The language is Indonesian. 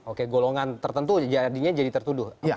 oke golongan tertentu jadinya jadi tertuduh